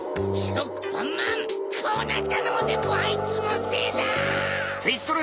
こうなったのもぜんぶあいつのせいだ！